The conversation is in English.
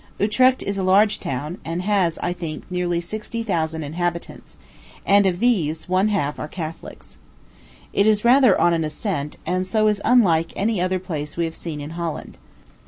Utrecht is a large town, and has, I think, nearly sixty thousand inhabitants; and of these, one half are Catholics. It is rather on an ascent, and so is unlike any other place we have seen in Holland.